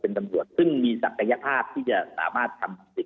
เป็นตำรวจซึ่งมีศักดิ์ภาพที่จะสามารถทำสิทธิ์ได้